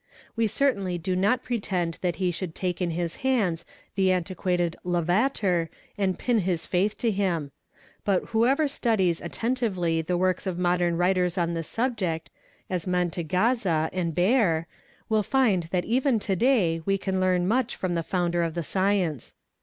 We certainly do not pretend that he should 'take in his hands the antiquated Lavater and pin his faith to him. But whoever studies attentively the works of modern writers on this subject, as Mantegazza®® and Baer", will find that even to day we can learn : auch from the founder of the science.